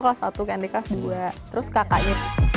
klas satu kandikas dua terus kakaknya